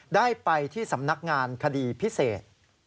ได้ไปที่สำนักงานคดีพิเศษ